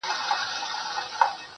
خپل مخ واړوې بل خواتــــه.